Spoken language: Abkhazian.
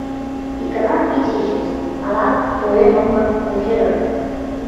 Икалам иҵижьыз алакә-поемақәа рӷьырак.